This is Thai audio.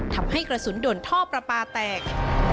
ทำให้กระสุนโดนท่อประปาแตก